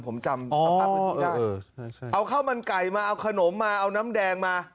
ผมจำอ๋อเออเออเออเอาข้าวมันไก่มาเอาขนมมาเอาน้ำแดงมา